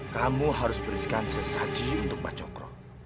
kamu harus berikan sesaji untuk mbah cokro